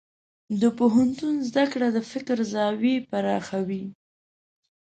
د پوهنتون زده کړه د فکر زاویې پراخوي.